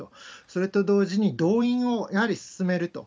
それと同時に動員をやはり進めると。